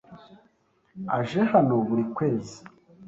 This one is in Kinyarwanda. aje hano buri kwezi.